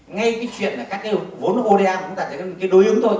ngay cái chuyện là các cái vốn oda chúng ta sẽ có một cái đối ứng thôi